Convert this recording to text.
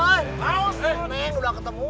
eh meneng udah ketemu